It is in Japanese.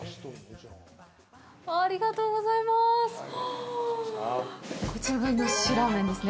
ありがとうございます。